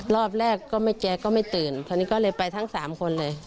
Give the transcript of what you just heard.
รอบแรกก็ไม่เจอก็ไม่ตื่นตอนนี้ก็เลยไปทั้งสามคนเลย